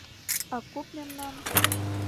А куп мемнан...